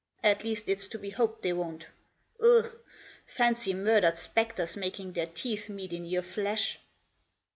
At least, it's to be hoped they won't Ugh ! fancy murdered spectres making their teeth meet in your flesh